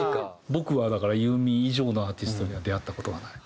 僕はだからユーミン以上のアーティストには出会った事がない。